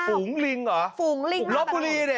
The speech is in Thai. ฝูงลิงเหรอ